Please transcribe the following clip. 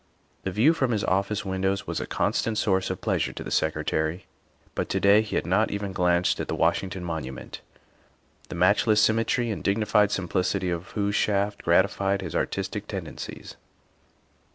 The view from his office windows was a constant source of pleasure to the Secretary, but to day he had not even glanced at the Washington Monument, the matchless symmetry and dignified simplicity of whose shaft gratified his artistic tendencies.